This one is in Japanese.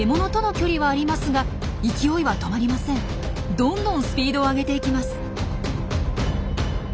どんどんスピードを上げていきます。